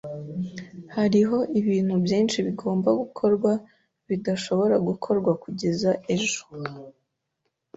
Hariho ibintu byinshi bigomba gukorwa bidashobora gukorwa kugeza ejo